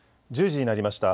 １０時になりました。